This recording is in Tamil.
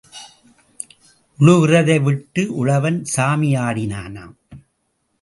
உழுகிறதை விட்டு உழவன் சாமி ஆடினானாம்.